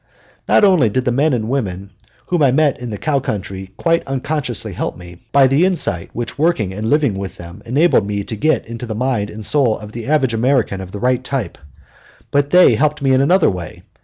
Not only did the men and women whom I met in the cow country quite unconsciously help me, by the insight which working and living with them enabled me to get into the mind and soul of the average American of the right type, but they helped me in another way.